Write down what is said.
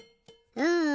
うん。